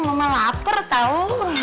mama lapar tau